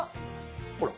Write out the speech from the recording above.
ほら。